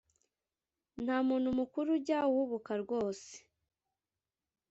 nta muntu mukuru ujya uhubuka rwose